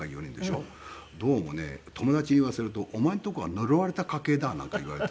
どうもね友達に言わせると「お前のとこは呪われた家系だ」なんて言われて。